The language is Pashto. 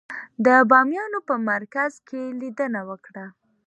د بامیانو په مرکز کې لیدنه وکړه.